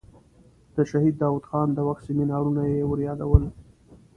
د شهید داود خان د وخت سیمینارونه یې وریادول.